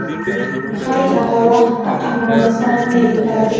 ښایي هغه وخت عقلمن انسان نه وي پاتې.